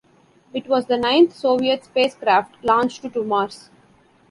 It was the ninth Soviet spacecraft launched to Mars.